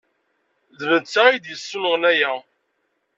D netta ay d-yessunɣen aya?